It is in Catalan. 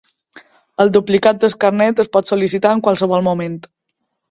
El duplicat del carnet es pot sol·licitar en qualsevol moment.